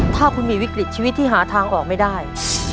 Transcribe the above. ถ้าคุณมีวิกฤตชีวิตที่หาทางออกไม่ได้